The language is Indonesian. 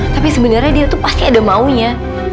tapi sebenarnya dia tuh pasti ada maunya